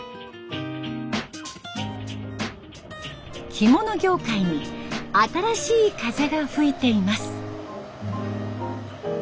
着物業界に新しい風が吹いています。